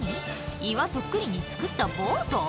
岩そっくりに造ったボート？